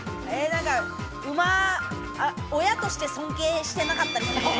親として尊敬してなかったり。